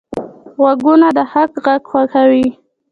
غوږونه د حق غږ خوښوي